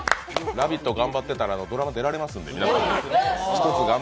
「ラヴィット！」頑張っていたらドラマ出られますんで。